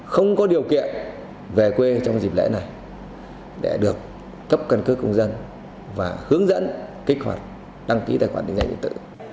không có điều kiện về quê trong dịp lễ này để được cấp căn cước công dân và hướng dẫn kích hoạt đăng ký tài khoản định danh điện tử